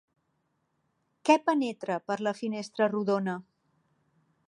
Què penetra per la finestra rodona?